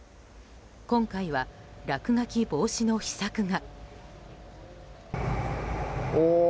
今回は落書き防止の秘策が。